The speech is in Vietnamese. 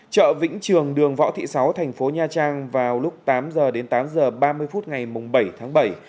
trợ vĩnh trường đường võ thị sáu tp nha trang vào lúc tám h tám h ba mươi phút ngày bảy bảy